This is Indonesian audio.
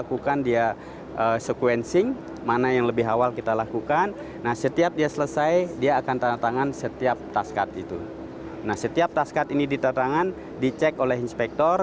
pesawat diperhatikan oleh inspektor